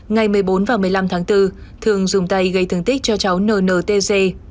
ngày một mươi bốn và một mươi năm tháng bốn thương dùng tay gây thương tích cho cháu nntc